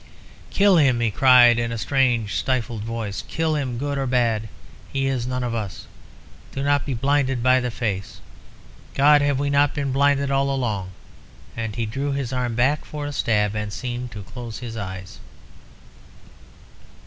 "Kill him!" he cried, in a strange stifled voice. "Kill him! Good or bad, he is none of us! Do not be blinded by the face!... God! have we not been blinded all along!" and he drew his arm back for a stab, and seemed to close his eyes.